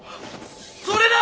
それだ！